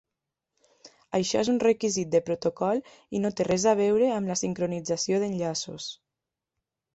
Això és un requisit de protocol i no té res a veure amb la sincronització d'enllaços.